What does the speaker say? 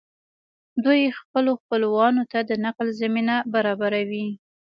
دوی خپلو خپلوانو ته د نقل زمینه برابروي